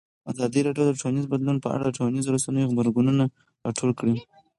ازادي راډیو د ټولنیز بدلون په اړه د ټولنیزو رسنیو غبرګونونه راټول کړي.